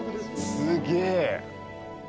すげえ。